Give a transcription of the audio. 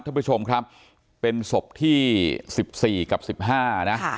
ท่านผู้ชมครับเป็นสบที่สิบสี่กับสิบห้านะค่ะ